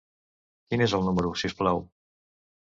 Quin és el número, si us plau?